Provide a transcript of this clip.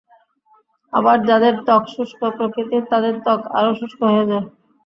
আবার যাঁদের ত্বক শুষ্ক প্রকৃতির, তাঁদের ত্বক আরও শুষ্ক হয়ে যায়।